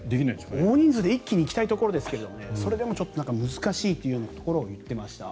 大人数で一気に行きたいところですけどそれでも難しいというところを言っていました。